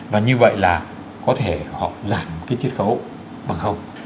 và như vậy là có thể họ giảm cái triết khấu bằng không